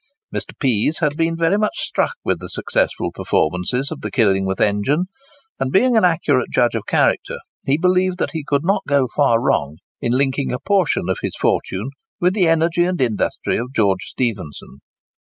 Mr. Pease had been very much struck with the successful performances of the Killingworth engine; and being an accurate judge of character, he believed that he could not go far wrong in linking a portion of his fortune with the energy and industry of George Stephenson.